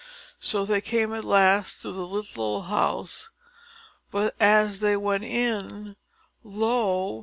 So they came at last to the little old house; but, as they went in, lo!